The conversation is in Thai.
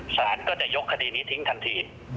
สารก็จะยกคดีนี้ทิ้งทันที